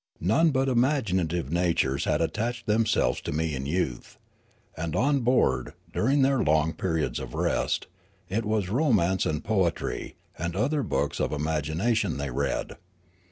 None but imaginative natures had attached themselves to me in youth. And on board, during their long periods of rest, it was romance, and poetrj , and other books of imagination they read.